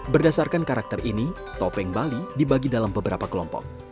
berdasarkan karakter ini topeng bali dibagi dalam beberapa kelompok